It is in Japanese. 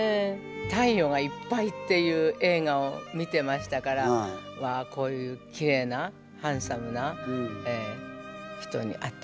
「太陽がいっぱい」っていう映画を見てましたからこういうきれいなハンサムな人に会ってみたいと思います。